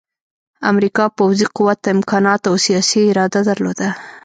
امریکا پوځي قوت، امکانات او سیاسي اراده درلوده